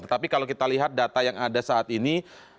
tetapi kalau kita lihat data yang ada saat ini